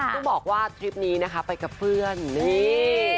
ต้องบอกว่าทริปนี้นะคะไปกับเพื่อนนี่